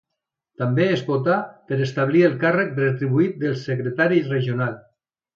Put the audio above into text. També es votà per establir el càrrec retribuït de secretari regional.